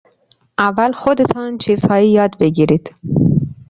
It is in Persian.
اول خودتان چیزهایی یاد بگیرید.